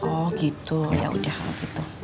oh gitu yaudah gitu